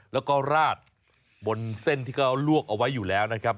แล้วก็ราดบนเส้นที่เขาลวกเอาไว้อยู่แล้วนะครับ